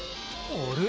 あれ？